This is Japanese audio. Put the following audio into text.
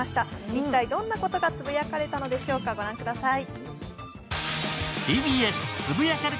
一体どんなことがつぶやかれたのでしょうか、ご覧ください。